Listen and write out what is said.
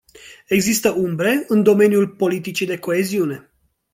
Există umbre în domeniul politicii de coeziune.